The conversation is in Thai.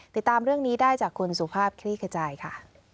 ติดตามเรื่องนี้ได้จากคุณสุภาพคลี่ขจายค่ะ